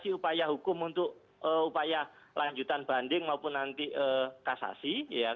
ada upaya hukum untuk upaya lanjutan banding maupun nanti kasasi